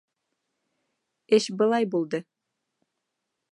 — Эш былай булды.